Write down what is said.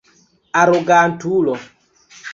Arogantulo!